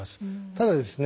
ただですね